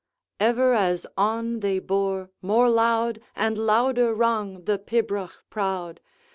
Ever, as on they bore, more loud And louder rung the pibroch proud.